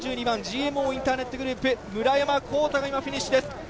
番ＧＭＯインターネットグループ村山紘太が今、フィニッシュです。